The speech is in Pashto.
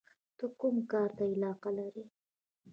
ته کوم کار ته علاقه لرې؟